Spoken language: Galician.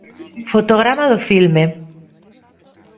Fotograma do filme.